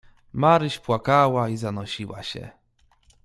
"Maryś płakała i zanosiła się."